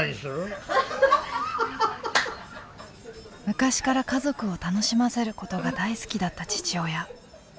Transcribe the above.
昔から家族を楽しませることが大好きだった父親。